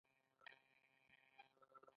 تجربه په کار کې څومره مرسته کوي؟